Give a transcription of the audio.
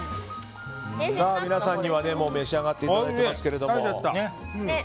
皆さんには、召し上がっていただいていますけども。